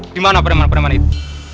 dimana preman preman itu